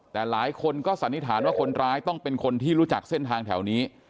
แต่หลายคนก็สันนิษฐานว่าคนร้ายต้องเป็นคนที่รู้จักเส้นทางแถวนี้